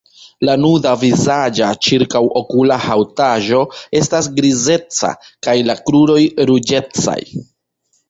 La nuda vizaĝa ĉirkaŭokula haŭtaĵo estas grizeca kaj la kruroj ruĝecaj.